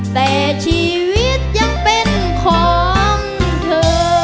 แต่ชีวิตยังเป็นของเธอ